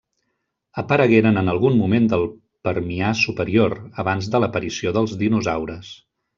Aparegueren en algun moment del Permià superior, abans de l'aparició dels dinosaures.